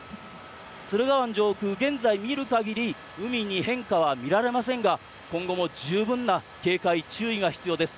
駿河湾上空、現在見る限り海に変化は見られませんが今後も十分な警戒注意が必要です。